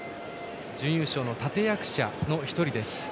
準優勝の立て役者の一人です。